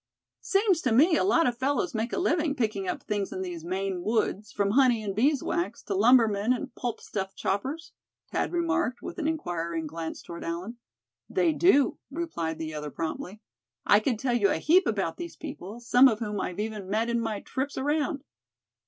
"Seems to me a lot of fellows make a living, picking up things in these Maine woods, from honey and bees wax, to lumbermen and pulp stuff choppers?" Thad remarked, with an inquiring glance toward Allan. "They do," replied the other, promptly. "I could tell you a heap about these people, some of whom I've even met in my trips around."